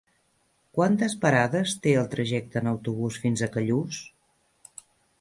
Quantes parades té el trajecte en autobús fins a Callús?